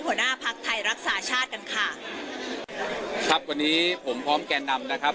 หัวหน้าภักดิ์ไทยรักษาชาติกันค่ะครับวันนี้ผมพร้อมแก่นำนะครับ